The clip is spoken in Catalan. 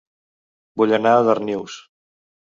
Vull anar a Darnius